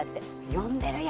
呼んでるよ！